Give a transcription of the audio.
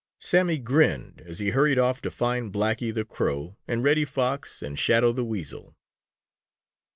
Sammy grinned as he hurried off to find Blacky the Crow and Reddy Fox and Shadow the Weasel.